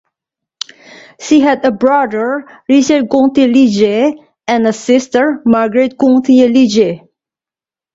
She had a brother, Richard Gauntier Liggett and a sister, Marguerite Gauntier Liggett.